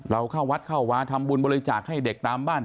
เข้าวัดเข้าวาทำบุญบริจาคให้เด็กตามบ้าน